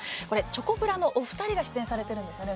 チョコプラのお二人が出演されてるんですよね。